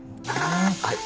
はい。